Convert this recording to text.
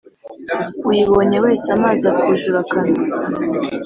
uyibonye wese amazi akuzura akanwa